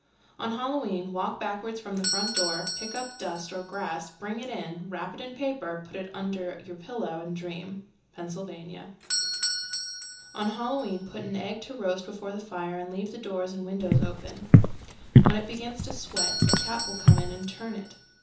On Halloween walk backwards from the front door, pick up dust or grass, bring it in, wrap it in paper, put it under your pillow, and dream. Pennsylvania. 311. On Halloween put an egg to roast before the fire and leave the doors and windows open. When it begins to sweat a cat will come in and turn it.